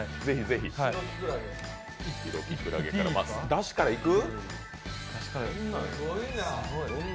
だしからいく？